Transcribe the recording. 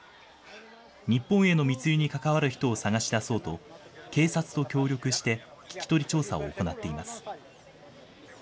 日本への密輸に関わる人を探し出そうと、警察と協力して、聞き取り調査を行っています。